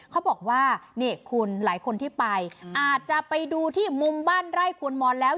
เขาบอกว่านี่คุณหลายคนที่ไปอาจจะไปดูที่มุมบ้านไร่กวนมอนแล้ว